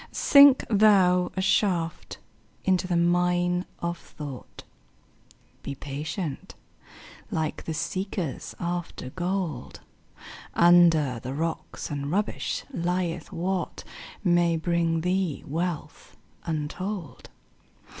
Sink thou a shaft into the mine of thought; Be patient, like the seekers after gold; Under the rocks and rubbish lieth what May bring thee wealth untold.